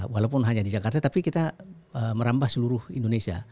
walaupun hanya di jakarta tapi kita merambah seluruh indonesia